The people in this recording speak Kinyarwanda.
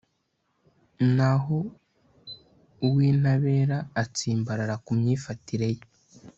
naho uw'intabera atsimbarara ku myifatire ye